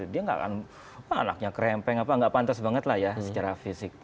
dia nggak akan anaknya kerempeng apa nggak pantas banget lah ya secara fisik